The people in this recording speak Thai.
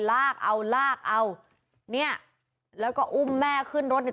ลากเอาลากเอาเนี่ยแล้วก็อุ้มแม่ขึ้นรถเนี่ย